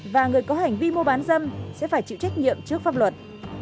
và người có hành vi mua bán dâm sẽ phải chịu trách nhiệm trước pháp luật